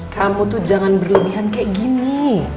kamu tuh jangan berlebihan kayak gini